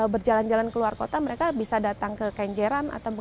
berjalan jalan keluar kota mereka bisa datang ke kenjeran